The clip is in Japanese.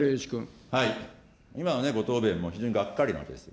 今のご答弁も非常にがっかりなんです。